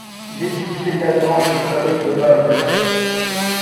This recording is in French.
Il existe également une fabrique de meubles.